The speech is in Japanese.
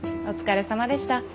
お疲れさまでした。